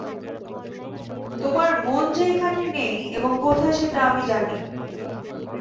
তোমার মন যে এখানে নেই এবং কোথায় সেটা আমি জানি।